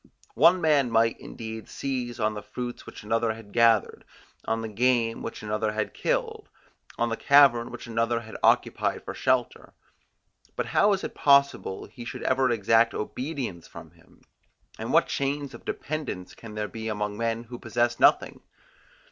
One man might, indeed, seize on the fruits which another had gathered, on the game which another had killed, on the cavern which another had occupied for shelter; but how is it possible he should ever exact obedience from him, and what chains of dependence can there be among men who possess nothing?